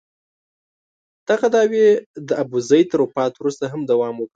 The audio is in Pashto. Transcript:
دغه دعوې د ابوزید تر وفات وروسته هم دوام وکړ.